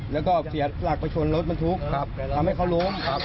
แล้วก็เสียดประชนรถมันทุกข์ครับทำให้เขาร้มครับ